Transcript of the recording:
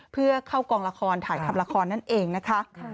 เพื่อเข้ากองละครถ่ายทำละครนั่นเองนะคะ